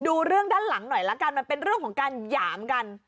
ดูเรื่องด้านหลังหน่อยละกันมันเป็นเรื่องของการหยามกัน